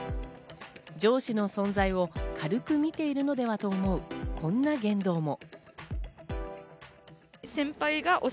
上司の存在を軽く見ているのではとのこんな言動も。